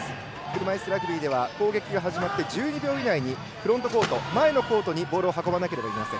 車いすラグビーでは攻撃が始まって１２秒以内にフロントコート、前のコートにボールを運ばなければなりません。